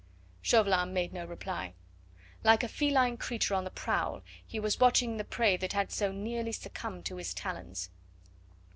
Chauvelin made no reply. Like a feline creature on the prowl, he was watching the prey that had so nearly succumbed to his talons.